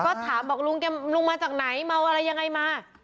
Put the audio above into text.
ก็ถามบอกลุงแกลุงมาจากไหนเมาอะไรยังไงมา